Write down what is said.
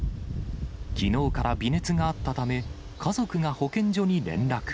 きのうから微熱があったため、家族が保健所に連絡。